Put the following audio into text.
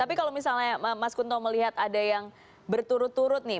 tapi kalau misalnya mas kunto melihat ada yang berturut turut nih